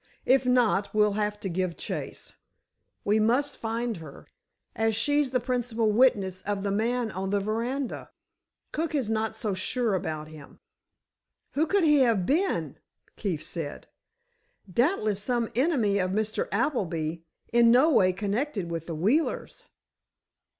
If not, we'll have to give chase. We must find her, as she's the principal witness of the man on the veranda. Cook is not so sure about him." "Who could he have been?" Keefe said. "Doubtless some enemy of Mr. Appleby, in no way connected with the Wheelers."